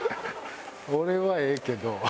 俺はええけど。